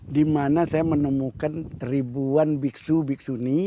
dimana saya menemukan ribuan biksu biksuni